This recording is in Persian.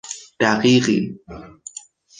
دقیقی